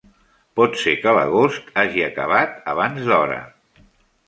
Pot ser que l'agost hagi acabat abans d'hora.